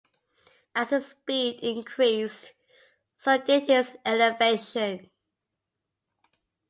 As his speed increased, so did his elevation.